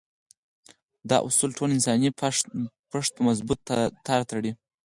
دا اصول ټول انساني پښت په مضبوط تار تړي.